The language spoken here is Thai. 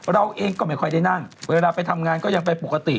เราเองก็ไม่ค่อยได้นั่งเวลาไปทำงานก็ยังไปปกติ